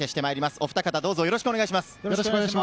おふた方、どうぞよろしくお願いします。